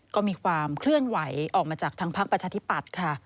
ก็มีความเคลื่อนไหวออกมาจากทางพักประชาธิปัตย์ค่ะ